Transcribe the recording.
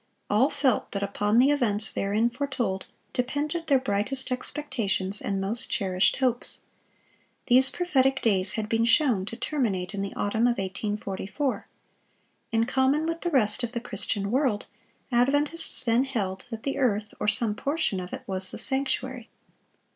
All felt that upon the events therein foretold depended their brightest expectations and most cherished hopes. These prophetic days had been shown to terminate in the autumn of 1844. In common with the rest of the Christian world, Adventists then held that the earth, or some portion of it, was the sanctuary.